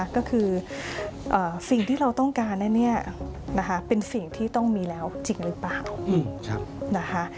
ก็คือสิ่งที่เราต้องการเป็นสิ่งที่ต้องมีแล้วจริงหรือเปล่า